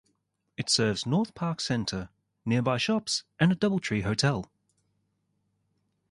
It serves NorthPark Center, nearby shops and a Doubletree Hotel.